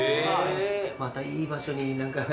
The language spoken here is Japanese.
またいい場所に。